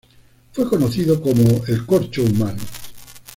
Fue conocido como el 'corcho humano'.